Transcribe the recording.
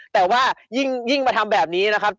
แต่ว่ายิ่งมาทำแบบนี้นะครับ